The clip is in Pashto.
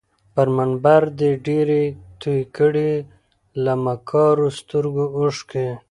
پر منبر دي ډیري توی کړې له مکارو سترګو اوښکي